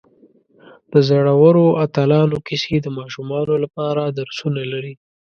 د زړورو اتلانو کیسې د ماشومانو لپاره درسونه لري.